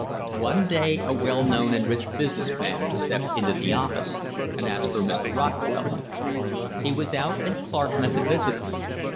One day a well known and rich business man stepped into the office and asked for Mr. Rocke feller. He was out, and Clark met the visitor.